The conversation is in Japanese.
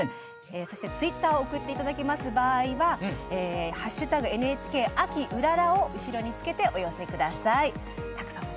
そして、ツイッターを送っていただきます場合は「＃ＮＨＫ秋うらら」を後ろにつけて、お寄せください。